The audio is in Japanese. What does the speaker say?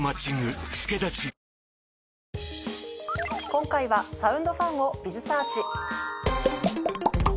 今回はサウンドファンを。